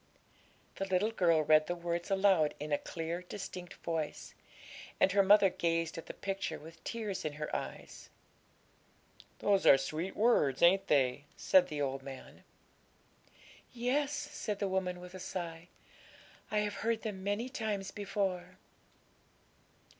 The little girl read the words aloud in a clear, distinct voice; and her mother gazed at the picture with tears in her eyes. 'Those are sweet words, ain't they?' said the old man. 'Yes,' said the woman, with a sigh; 'I have heard them many times before.'